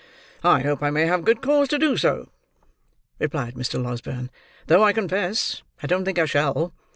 "I hope I may have good cause to do so," replied Mr. Losberne; "though I confess I don't think I shall.